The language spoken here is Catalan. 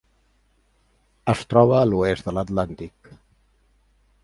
Es troba a l'oest de l'Atlàntic.